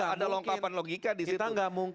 ada lengkapan logika disitu